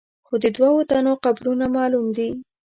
خو د دوو تنو قبرونه معلوم دي.